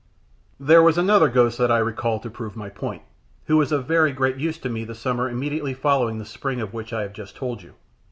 There was another ghost that I recall to prove my point, who was of very great use to me in the summer immediately following the spring of which I have just told you.